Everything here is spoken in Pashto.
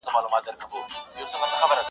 پر شب پرستو بدلګېږم ځکه.